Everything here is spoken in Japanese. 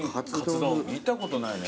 見たことないね。